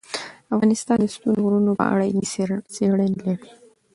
افغانستان د ستوني غرونه په اړه علمي څېړنې لري.